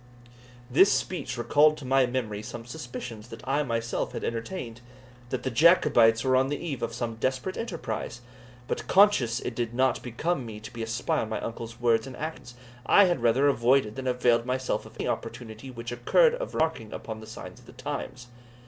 This speech recalled to my memory some suspicions that I myself had entertained, that the Jacobites were on the eve of some desperate enterprise. But, conscious it did not become me to be a spy on my uncle's words and actions, I had rather avoided than availed myself of any opportunity which occurred of remarking upon the signs of the times.